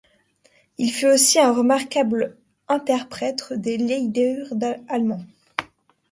Il fut aussi un remarquable interprète des lieder allemands.